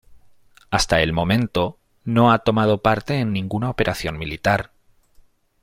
Hasta el momento no ha tomado parte en ninguna operación militar.